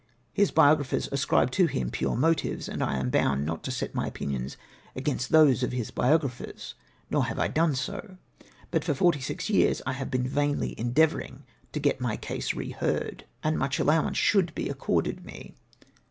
His biographers ascribe to him pure motives, and I am bound not to set my opinions against those of his biograpiiers, nor have I done so. But for forty six years I have been vainly endeavouring to get my case reheard, and nuicli allowance should be accorded me.